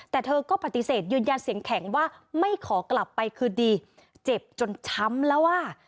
แต่เธอก็ปฏิเสธยืนยันเสียงแข็งว่าไม่ขอกลับไปคือดีเจ็บจนช้ำแล้วอ่ะ